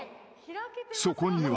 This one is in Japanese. ［そこには］